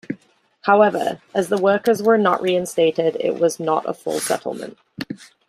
However, as the workers were not reinstated, it was not a full settlement.